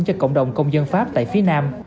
cho cộng đồng công dân pháp tại phía nam